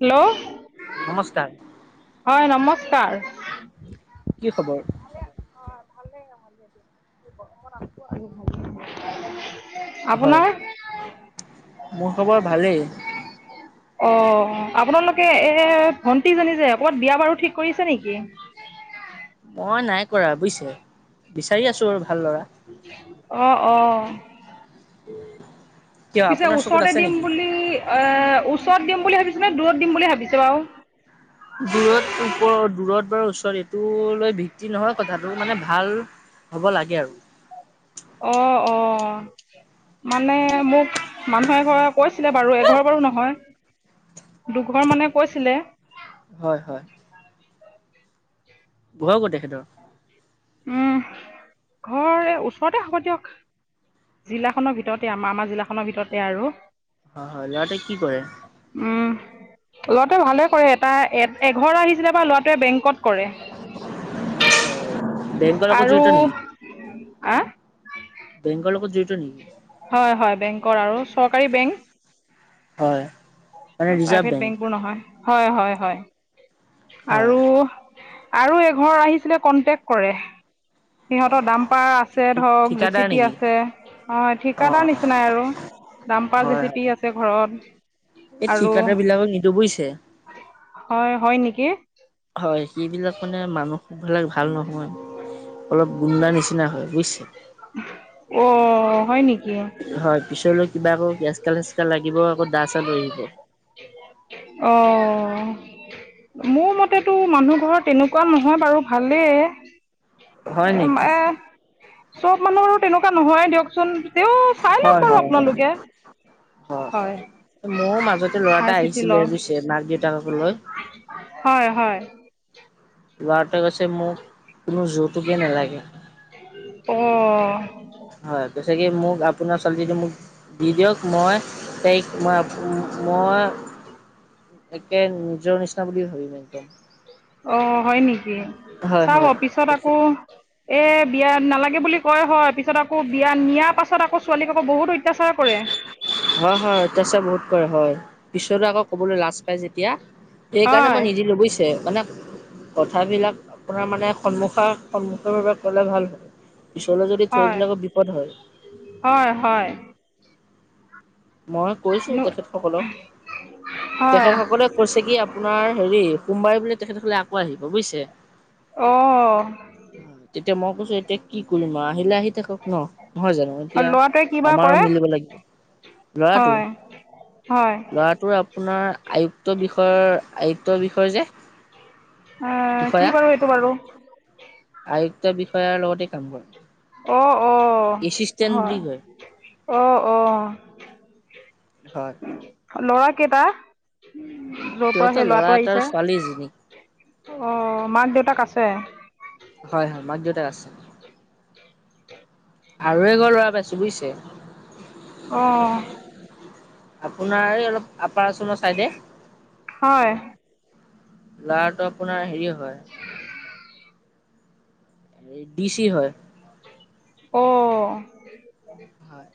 Hello. নমস্কাৰ। হয়, নমস্কাৰ। কি খবৰ? ভালেই অঁ ভালেই খালি গৰমত আছো আৰু। হয়, মোৰ খবৰ ভালেই। অ' আপোনালোকে এই ভণ্টি জানি যে ক'বাত বিয়া বাৰু ঠিক কৰিছে নেকি? মই নাই কৰা বুজিছে বিচাৰি আছোঁ আৰু ভাল ল'ৰা। অঁ' অঁ'। কিয় পিছে আপোনাৰ চকুত ওচৰতে আছে দিম নেকি বুলি- এ ওচৰত দিম বুলি ভাবিছেনে দূৰত দিম বুলি ভাবিছে বাৰু? দূৰত ওপৰত দূৰত বাৰু ওচৰত এইটো লৈ ভিত্তি নহয় কথাটো, মানে ভাল- হ'ব লাগে আৰু। অঁ' অঁ'। মানে মোক মানুহে এঘৰে কৈছিলে বাৰু এঘৰ বাৰু নহয়- দুঘৰ মানে কৈছিলে। হয় হয়। ঘৰ ক'ত তেখেতৰ? উম, ঘৰ এই ওচৰতে হব দিয়ক। জিলাখনৰ ভিতৰতে আমাৰ আমাৰ জিলাখনৰ ভিতৰতে আৰু। হয় হয়, ল'ৰাটোৱে কি কৰে? উম' ল'ৰাটোৱে ভালে কৰে এটা এঘৰ আহিছিলে বা ল'ৰাটোৱে বেংকত কৰে। বেংকৰ লগত আৰু জড়িত নি? আ বেংকৰ লগত জড়িত নি? হয় হয়, বেংকৰ আৰু চৰকাৰী বেংক। হয়। মানে ৰিজাৰ্ভ প্ৰাইভেট বেংক বোৰ নহয়, হয় হয়, হয় আৰু- আৰু এঘৰ আহিছিলে কন্টেক্ট কৰে। সিহঁতৰ দাম্পাৰ আছে ধৰক জে ঠিকাদাৰ চি পি নেকি আছে। অ অ ঠিকাদাৰ নিচিনাই আৰু দাম্পাৰ হয় জে চি হয় পি আছে ঘৰত। এই আৰু ঠিকাদাৰ বিলাকক নিদো বুজিছে। হয়, হয় নেকি? হয় সেইবিলাক মানে মানুহ বিলাক ভাল নহয় অলপ গুণ্ডা নিচিনা হয় বুজিছে? অ হয় নেকি? হয় পিছলৈ কিবা আকৌ এচকা চেচকা লাগিব আকৌ দা চা লৈ আহিব। অহ, মোৰ মতেতো মানুহ ঘৰৰ তেনেকুৱা নহয় বাৰু, হয় ভালেই নেকি? এ চব মানুহ আৰু তেনেকুৱা নহয় দিয়কচোন তেও চাই লওক হয় বাৰু হয় হয় আপোনালোকে। হয় হয়, মইও মাজতে ল'ৰা চাই এটা চিতি আহিছিলে লওঁ বুজিছে মাক দেউতাকক লৈ হয় হয়। ল'ৰাতোৱে কৈছে মোক কোনো যৌতুকে নালাগে। অঁ হয় কৈছে কি মোক আপোনাৰ ছোৱালীজনী মোক দি দিয়ক মই তাইক মই, মই একে নিজৰ নিচিনা বুলি ভাবিম। একদম অ হয় নেকি? হয় চাব পিছত হয়। আকৌ এই বিয়া নালাগে বুলি কয় হয় পিছত আকৌ বিয়া নিয়াৰ পাছত আকৌ ছোৱালীক আকৌ বহুত অত্যাচাৰ কৰে। হয় হয়, অত্যচাৰ বহুত কৰে হয়, পিছত আকৌ ক'বলৈ লাজ পাই যেতিয়া। সেইকাৰণে মই হয় নিদিলো বুজিছে, মানে কথাবিলাক আপোনাৰ মানে সন্মুখা সন্মুখৰ ভাবে ক'লে ভাল হয় পিছলৈ যদি থৈ হয় দিলে আকৌ বিপদ হয়। হয় হয়। মই কৈছো তেখেতসকলক হয় তেখেতসকলে কৈছে কি আপোনাৰ হেৰি সোমবাৰে বোলে তেখেতসকলে আকৌ আহিব বুজিছে। অহ তেতিয়া মই কৈছো এতিয়া কি কৰিম আৰু আহিলে আহি থাকক ন। নহয় জানো এতিয়া ল'ৰাটোৱে কিবা আমাৰো কৰে মিলিব লাগিব। ল'ৰাটো? হয় হয় ল'ৰাটোৰ আ পোনাৰ আয়ুক্ত বিষয়ৰ আয়ুক্তৰ বিষয় যে অ কি বাৰু সেইটো বাৰু আয়ুক্তৰ বিষয়াৰ লগতে কাম কৰে। অ অ। এচিষ্টেণ্ট হয়, বুলি কয়। অ অ। হয়। ল'ৰা কেইটা? যৰ পৰা সিহঁতৰ সেই ল'ৰা ল'ৰাটো এটা আৰু আহিছে? ছোৱালী এজনী অ মাক দেউতাক আছে? হয় হয়, মাক দেউতাক আছে। আৰু এঘৰ ল'ৰা পাইছো বুজিছে। অ। আপোনাৰ এই অলপ আপাৰ আসামৰ চাইডে হয় ল'ৰাটো আপোনাৰ হেৰি হয়। ডি চি হয়। অহ। হয়।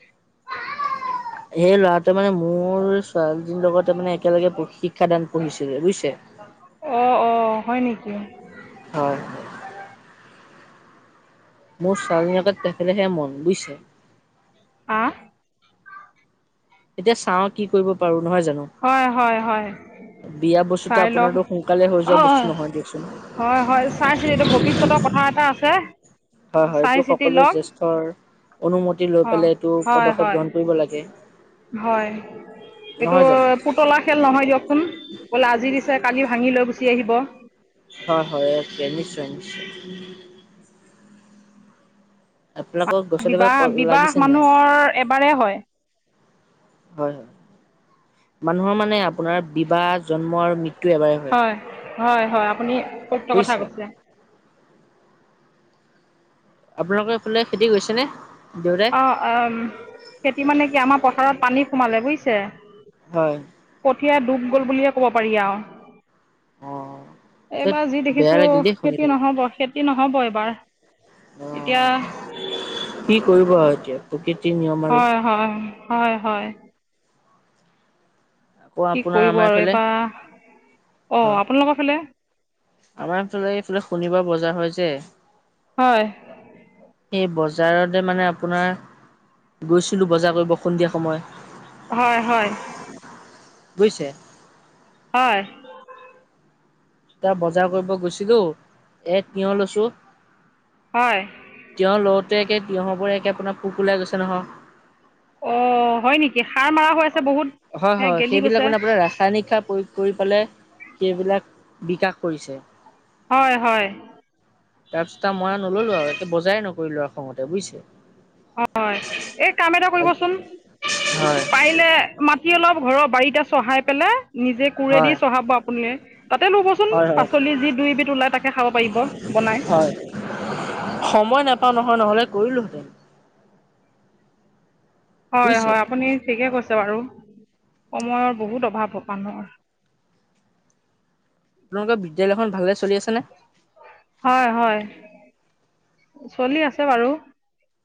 সেই ল'ৰাটোৱে মানে মোৰ ছোৱালীজনীৰ লগতে মানে একেলগে শিক্ষা দান পঢ়িছিলে বুজিছে। অ অ, হয় নেকি? হয়। মোৰ ছোৱালজনীকে তেখেতেহে মন বুজিছে। আহ এতিয়া চাওঁ কি কৰিব পাৰো নহয় জানো। হয়, হয়, হয়। বিয়া বস্তুটো চাই লওক আপোনাৰতো সোনকালে হৈ যোৱা বস্তু নহয় দিয়কচোন। হয়, হয়, চাইছিটি এইটো ভৱিষ্যতৰ কথা কথা এটা আছে। হয়, হয়, চাই এইটো চিতি সকলোৰে লওক জ্যেষ্ঠৰ অনুমতি লৈ হয় পেলাই এইটো হয় পদক্ষেপ হয় গ্ৰহণ কৰিব লাগে। হয়। এইটো নহয় জানো। পুতলা খেল নহয় দিয়কচোন বোলে আজি দিছে কালি ভাঙি লৈ গুচি আহিব। হয়, হয়, একে নিশ্চয় নিশ্চয়। আপোনালোকক গছত এবাৰ বিবাহ-বিবাহ লাগিছে নাই? মানুহৰ এবাৰেই হয়। হয়, হয়, মানুহৰ মানে আপোনাৰ বিবাহ, জন্ম আৰু মৃত্যু এবাৰে হয়। হয়, হয়, আপুনি সত্য কথা বুজিছে। কৈছে। আপোনালোকৰ এইফালে খেতি গৈছে নে? দেউতা অঁ খেতি মানে কি আমাৰ পথাৰত পানী সোমালে বুজিছে। হয়। কঠীয়া ডুব গল বুলিয়ে ক'ব পাৰি আৰু। অ পিছত এইবাৰ যি বেয়া দেখিছো লাগিল দেই শুনি খেতি পেলাই নহব খেতি নহব এইবাৰ অ এতিয়া কি কৰিব আৰু এতিয়া প্ৰকৃতি নিয়ম। আৰু হয়, হয়, হয়, হয়। আকৌ কি আপোনাৰ কৰিব আমাৰ আৰু এইফালে এইবাৰ অ', হয় আপোনালোকৰ ফালে? আমাৰ এইফালে এইফালে শনিবাৰ বজাৰ হয় যে হয়। এই বজাৰতে মানে আপোনাৰ গৈছিলোঁ বজাৰ কৰিব সন্ধিয়া সময়ত। হয়, হয়। বুজিছে? হয়। বজাৰ কৰিব গৈছিলো এ তিয়হ লৈছো। হয়। তিয়হ লওঁতে একে তিঁয়হৰ উপৰে একে পোক ওলাই গৈছে নহয়। অ', হয়, নেকি সাৰ মাৰা হৈ আছে বহুত হয় সেইয়া হয় গেলি সেইবিলাক গৈছে। মানে আপোনাৰ ৰাসায়নিক সাৰ প্ৰযোগ কৰি পেলাই সেইবিলাক বিকাশ কৰিছে। হয়, হয়। তাৰপিছত আৰু মই আৰু নলো আৰু একে বজাৰে নকৰিলো আৰু খঙতে বুজিছে। অ', এই কাম এটা কৰিবচোন। হয় পাৰিলে মাটি অলপ ঘৰৰ বাৰীতে চহাই পেলাই নিজে কোৰেদি হয় চহাব আপুনি। তাতে ৰুবচোন হয় হয় পাচলি যি দুই এবিধ ওলায় তাকে খাব পাৰিব বনাই। হয় সময় নাপাওঁ নহয় নহলে কৰিলো হেতেন। হয়, বুজিছে হয়, আপুনি ঠিকে কৈছে বাৰু সময়ৰ বহুত অভাৱ মানুহৰ। আপোনালোকৰ বিদ্যালয়খন ভালে চলি আছেনে? হয়, হয়। চলি আছে বাৰু।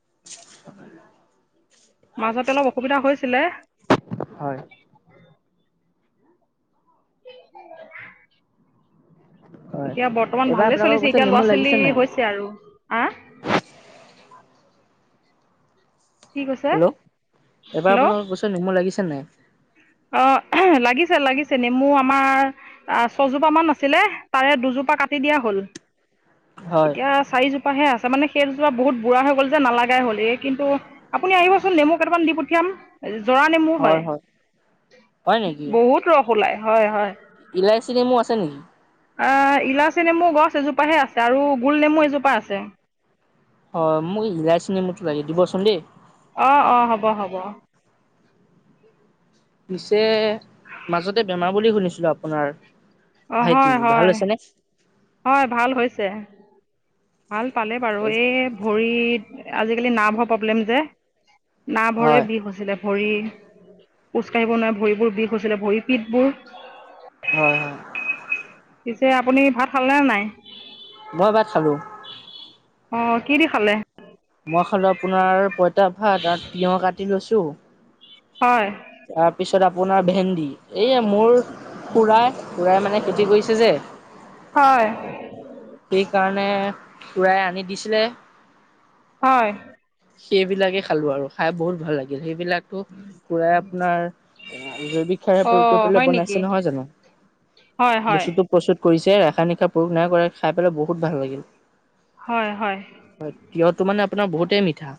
[unintelligible] মাাজতে অলপ অসুবিধা হৈছিলে। হয়। হয়, এতিয়া বৰ্তমান এইবাৰ ভালে আপোনালোকৰ চলিছে। গছত এতিয়া ল'ৰা নেমু ছোৱালী লাগিছে নাই? হৈছে আৰু। আ কি কৈছে হেল্ল', এইবাৰ হেল্ল' আপোনালোকৰ গছত নেমু লাগিছে নাই? অ', লাগিছে, লাগিছে। নেমু আমাৰ আহ, ছজোপামান আছিলে, তাৰে দুজোপা কাটি দিয়া হ'ল। হয়, এতিয়া চাৰিজোপাহে আছে, মানে সেইজোপা বহুত বুঢ়া হৈ গ'ল যে। নালাগাই হ'ল কিন্তু আপুনি আহিবচোন, নেমু কেইটামান দি পঠিয়াম। জৰা নেমু হয়। হয় বহুত ৰস ওলাই। হয়, হয়। ইলাইচি নেমু আছে নেকি? ইলাচী নেমু গছ এজোপাহে আছে আৰু গোল নেমু এজোপা আছে। অ', মোক ইলাচী নেমুটো লাগে, দিবচোন দেই। অ', অ'। হ'ব, হ'ব। পিছে মাজতে বেমাৰ বুলি শুনিছিলো, আপোনাৰ অঁ হয় ভাইটিৰ। হয় ভাল হৈছে নে? হয়, ভাল হৈছে। ভাল পালে বাৰু, হয়, এই ভৰিত আজিকালি নাৰ্ভৰ প্ৰব্লেম যে, নাৰ্ভৰে হয়, বিষ হৈছিলে। ভৰি। খোজ কঢ়িব নোৱাৰে, ভৰিবোৰ বিষ হৈছিলে। ভৰি পীঠবোৰ হয়, হয়। পিছে আপুনি ভাত খালে নে নাই? মই ভাত খালোঁ। অ' কি দি খালে? মই খালোঁ আপোনাৰ পঁইতা ভাত আৰু তিঁয়হ কাটি লৈছোঁ। হয়। তাৰপিছত আপোনাৰ ভেন্দি। এই মোৰ খুৰাই, খুৰাই মানে খেতি কৰিছে যে হয়। সেইকাৰণে খুৰাই আনি দিছিলে। হয়। সেইবিলাকে খালো আৰু খাই বহুত ভাল লাগিল। সেইবিলাক ত', খুৰাই আপোনাৰ জৈৱিক সাৰ হে প্ৰয়োগ কৰি অঁ পেলাইছে হয় নেকি বনাইছে। নহয় জানো? হয়, হয়। বস্তুটো প্ৰস্তুত কৰিছে। ৰাসায়নিক সাৰ প্ৰয়োগ নাই কৰা। খাই পেলাই বহুত ভাল লাগিল। হয়, হয়। হয়। তিঁয়হটো মানে আপোনাৰ বহুতেই মিঠা।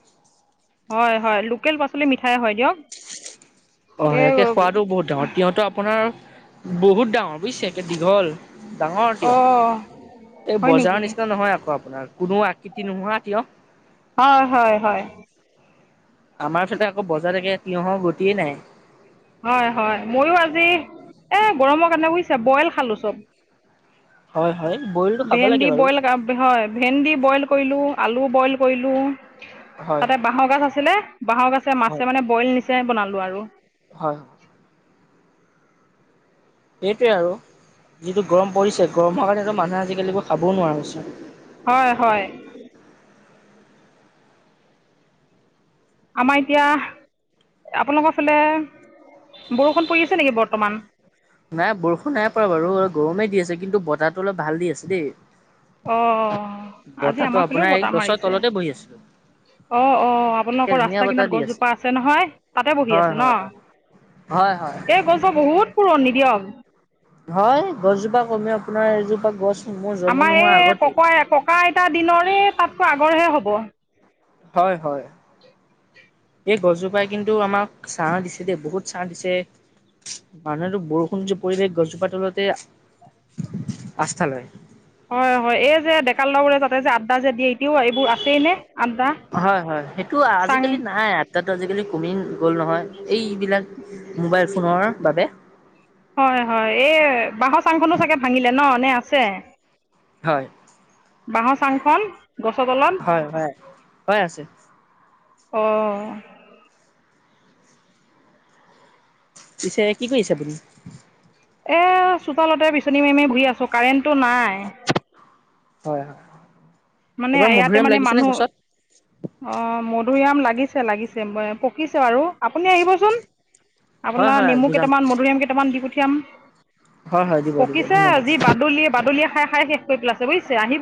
হয়, হয়। লোকেল পাচলি মিঠাই হয় দিয়ক। অ', এই একে সোৱাদো বহুত ডাঙৰ। তিয়ঁহটো আপোনাৰ বহুত ডাঙৰ বুজিছে, একে দীঘল ডাঙৰ তিয়ঁহ। অঁ এই হয় নেকি বজাৰৰ নিচিনা নহয় আকৌ আপোনাৰ কোনো আকৃতি নোহোৱা তিয়ঁহ। হয়, হয়, হয়। আমাৰ ওচৰতে আকৌ বজাৰ একে তিঁয়হৰ গতিয়ে নাই। হয়, হয়। ময়ো আজি এ, গৰমৰ কাৰণে বুজিছা, বইল খালো চব। হয়, হয়। বইলটো খাব লাগে ভেন্দি বাৰু। বইল হয়। ভেন্দি বইল কৰিলো, আলু বইল কৰিলো হয় তাতে বাঁহৰ গছ আছিলে, বাঁহৰ গাছে, হয় মাছে মানে বইল নিচিনাই বনালো আৰু। হয়। সেইটোৱে আৰু যিটো গৰম পৰিছে, গৰমৰ কাৰণেতো মানুহে আজিকালিকো খাবও নোৱাৰা হৈছে। হয়, হয়। আমাৰ এতিয়া, আপোনালোকৰ ফালে বৰষুণ পৰি আছে নেকি, বৰ্তমান। নাই, বৰষুণ নাই পৰা বাৰু অলপ গৰমেই দি আছে, কিন্তু বতাহটো অলপ ভাল দি আছে দেই। অঁ আজি বতাহটো আমাৰ ফালেও আপোনাৰ, এই গছৰ তলতে বহি আছোঁ। অ', অ', আপোনালোকৰ ৰাস্তা কিনাৰত গছজোপা আছে নহয় তাতে বহি হয় আছে হয় ন'? হয় হয়, হয়। এই গছ জোৰ বহুত পুৰণি দিয়ক হয়, গছজোপা কমেও আপোনাৰ এজোপা গছ মোৰ জন্ম আমাৰ নোহোৱাৰ এই আগতেই। ককৈ ককা আইতাৰ দিনৰেই তাতকৈ আগৰহে হ'ব। হয়, হয়। এই গছজোপাই কিন্তু আমাক ছাহ দিছে দেই বহুত ছাহ দিছে। মানুহেতো বৰষুণ যে পৰিলে গছজোপা তলতে আস্থা লয়। হয়, হয়, এই যে ডেকা ল'ৰাবোৰে যে তাতে যে আড্ডা যে দিয়ে এতিয়াও এইবোৰ আছেই নে আড্ডা হয়, হয়, সেইটো চাং আজিকালি নাই আড্ডাটো আজিকালি কমি গ'ল নহয়, এইবিলাক মোবাইল ফোনৰ বাবে হয়, হয়, এই বাঁহৰ চাংখনো চাগে ভাঙিলে ন' নে আছে? হয় বাঁহৰ চাংখন গছৰ তলত হয় হয় হয় আছে অ', পিছে কি কৰি আছে আপুনি? এই চোতালতে বিচনী মাৰি মাৰি ঘূৰি আছোঁ কাৰেণ্টটো নাই। হয়, হয়। মানে এইবাৰ ইয়াতে মধুৰিআম মানে লাগিছেনে মানুহ গছত অ', মধুৰিআম লাগিছে লাগিছে পকিছে বাৰু আপুনি আহিবচোন। হয় আপোনাৰ হয় নেমু গোজাম কেইটামান মধুৰিআম কেইটামান দি পঠিয়াম। হয় হয় দিব দিব পকিছে ধন্যবাদ আজি বাদুলি বাদুলিয়ে খাই খাই শেষ কৰি পেলাইছে বুজিছে আহি